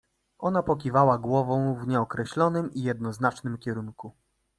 Ona pokiwała głową w nieokreślonym i jednoznacznym kierunku.